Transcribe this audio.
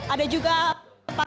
ada juga pak